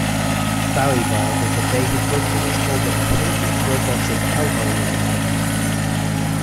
Bowie biographer David Buckley has called it "a funky, robotic Hellhole of an album".